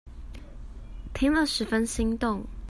聽了十分心動